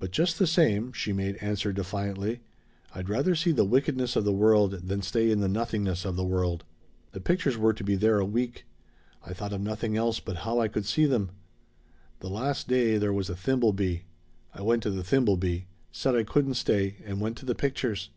"But just the same," she made answer defiantly, "I'd rather see the wickedness of the world than stay in the nothingness of the world! "The pictures were to be there a week. I thought of nothing else but how I could see them. The last day there was a thimble bee. I went to the thimble bee said I couldn't stay and went to the pictures.